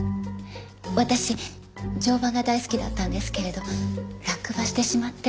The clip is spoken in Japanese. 私乗馬が大好きだったんですけれど落馬してしまって。